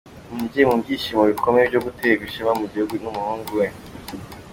Umubyeyi mu byishimo bikomeye byo guterwa ishema mu gihugu n’umuhungu we.